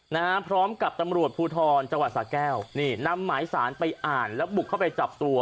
นะฮะพร้อมกับตำรวจภูทรจังหวัดสาแก้วนี่นำหมายสารไปอ่านแล้วบุกเข้าไปจับตัว